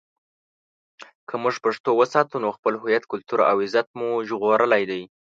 که موږ پښتو وساتو، نو خپل هویت، کلتور او عزت مو ژغورلی دی.